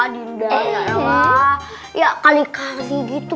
dindar ya kali kali gitu